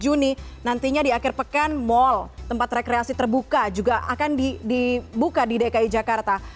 dua puluh juni nantinya di akhir pekan mal tempat rekreasi terbuka juga akan dibuka di dki jakarta